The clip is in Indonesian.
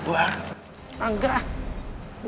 gue gak ada duit